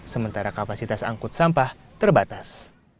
sementara kapasitas angkut sampah terbatas